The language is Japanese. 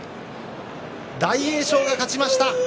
大栄翔が勝ちました。